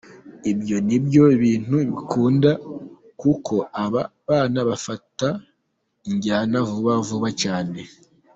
Ibyo ni byo bintu nkunda kuko aba bana bafata injyana vuba vuba cyane.